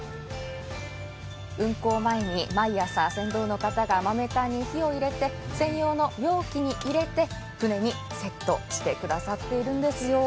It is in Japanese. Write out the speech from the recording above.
運航前に毎朝、船頭の方が豆炭に火を入れて専用の容器に入れて船にセットしてくださっているんですよ。